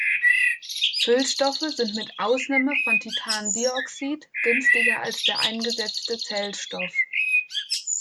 Füllstoffe sind mit Ausnahme von Titandioxid günstiger als der eingesetzte Zellstoff.